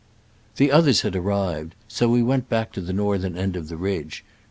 The others had arrived, so we went back to the 7^ _: northern end of the ridge.